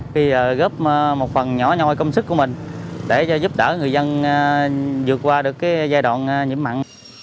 khi góp một phần nhỏ nhòi công sức của mình để giúp đỡ người dân vượt qua giai đoạn nhiễm mặn